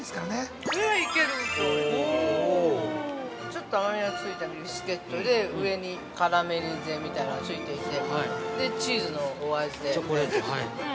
◆ちょっと甘みがついたビスケットで上にカラメリゼみたいなのがついていてで、チーズのお味で。